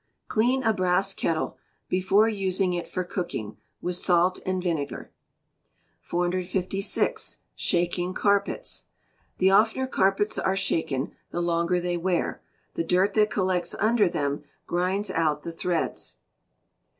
Clean a brass kettle, before using it for cooking, with salt and vinegar. 456. Shaking Carpets. The oftener carpets are shaken the longer they wear; the dirt that collects under them grinds out the threads.